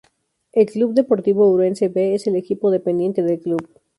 El Club Deportivo Ourense B es el equipo dependiente del club.